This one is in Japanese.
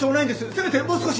せめてもう少し。